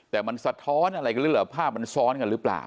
แต่มันสะท้อนอะไรกันหรือเปล่าภาพมันซ้อนกันหรือเปล่า